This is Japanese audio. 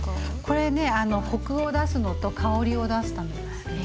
これねコクを出すのと香りを出すためですね。